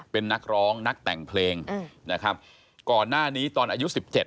เป็นนักร้องนักแต่งเพลงนะครับก่อนหน้านี้ตอนอายุ๑๗